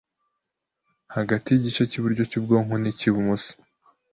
hagati y’igice cy’iburyo cy’ubwonko n’icy’ibumoso,